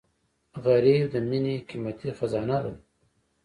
غریب د مینې قیمتي خزانه لري